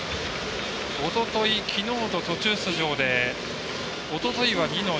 おととい、きのうと途中出場でおとといは２の２。